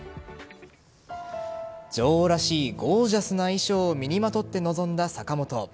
女王らしいゴージャスな衣装を身にまとって臨んだ坂本。